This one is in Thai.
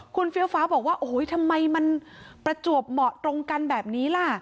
คุณเฟี้ยวฟ้าบอกว่าโอ้โหทำไมมันประจวบเหมาะตรงกันแบบนี้ล่ะ